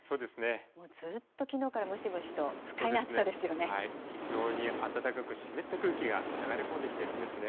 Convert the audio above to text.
ずっときのうからムシムシと、非常に暖かく湿った空気が流れ込んできてるんですね。